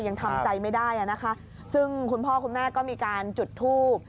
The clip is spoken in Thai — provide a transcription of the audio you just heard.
ยังทำใจไม่ได้อ่ะนะคะซึ่งคุณพ่อคุณแม่ก็มีการจุดทูบ